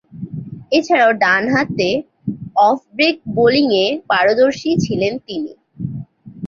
এছাড়াও, ডানহাতে off break বোলিংয়ে পারদর্শী ছিলেন তিনি।